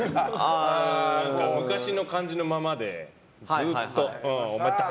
昔の感じのままで、ずっと。